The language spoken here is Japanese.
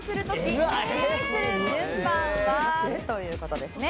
という事ですね。